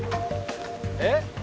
えっ？